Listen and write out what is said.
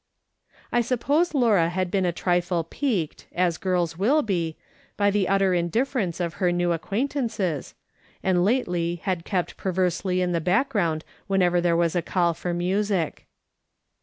I suppose Laura had been a trifle piqued, as girls will be, by the utter indifference of her new ac quaintances, and lately had kept perversely in the background whenever there was a call for music.